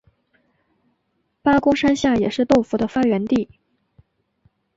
八公山下也是豆腐的发源地。